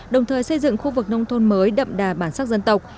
đồng thời xây dựng khu vực nông thôn mới đậm đà bản sắc dân tộc